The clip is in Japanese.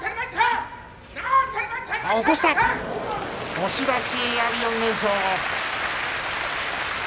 押し出し、阿炎４連勝。